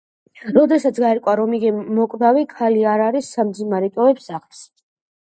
როდესაც გაირკვევა, რომ იგი მოკვდავი ქალი არ არის, სამძიმარი ტოვებს სახლს.